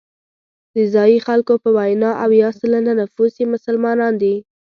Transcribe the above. د ځایي خلکو په وینا اویا سلنه نفوس یې مسلمانان دي.